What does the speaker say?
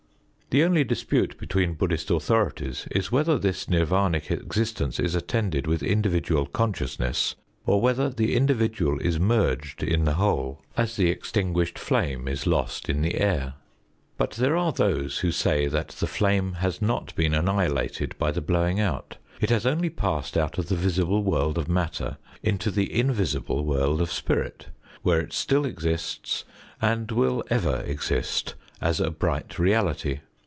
The only dispute between Bud╠Żd╠Żhist authorities is whether this Nirv─ün╠Żic existence is attended with individual consciousness, or whether the individual is merged in the whole, as the extinguished flame is lost in the air. But there are those who say that the flame has not been annihilated by the blowing out. It has only passed out of the visible world of matter into the invisible world of Spirit, where it still exists and will ever exist, as a bright reality.